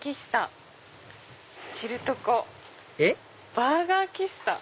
バーガー喫茶？